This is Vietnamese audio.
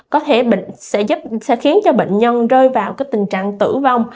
có thể sẽ khiến cho bệnh nhân rơi vào cái tình trạng tử vong